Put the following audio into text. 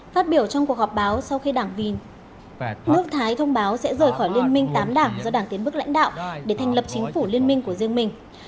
phát biểu trong cuộc họp báo sau khi đảng nước thái thông báo sẽ rời khỏi liên minh tám đảng do đảng tiến bước lãnh đạo để thành lập chính phủ liên minh của riêng mình